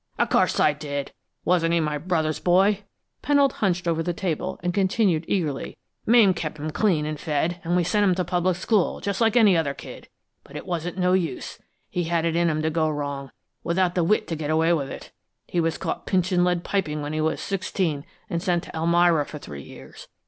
"Of course I did! Wasn't he my brother's boy?" Pennold hunched over the table, and continued eagerly: "Mame kept him clean an' fed, an' we sent him to public school, just like any other kid. But it wasn't no use. He had it in him to go wrong, without the wit to get away with it. He was caught pinchin' lead piping when he was sixteen, an' sent to Elmira for three years.